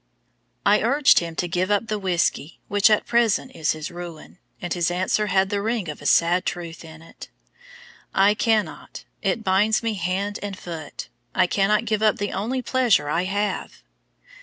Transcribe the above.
I urged him to give up the whisky which at present is his ruin, and his answer had the ring of a sad truth in it: "I cannot, it binds me hand and foot I cannot give up the only pleasure I have."